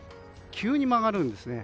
急に曲がるんですね。